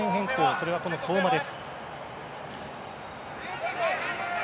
それは、この相馬です。